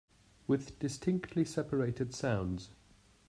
With distinctly separated sounds.